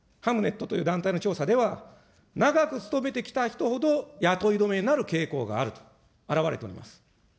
ハムネットという団体の調査では、長く勤めてきた人ほど雇い止めになる傾向があると表れております。